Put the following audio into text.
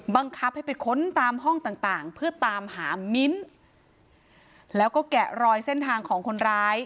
บังคับให้ไปค้นตามห้องต่างต่างเพื่อตามหามิ้นแล้วก็แกะรอยเส้นทางของคนร้าย